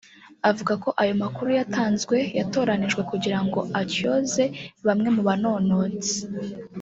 avuga ko ayo makuru yatanzwe yatoranijwe kugirango atyoze bamwe mu banonotsi